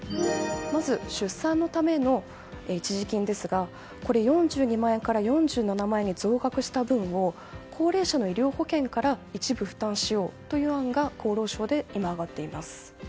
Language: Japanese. まず出産のための一時金ですが４２万円から４７万円に増額した分を高齢者の医療保険から一部負担しようという案が厚労省で今、挙がっています。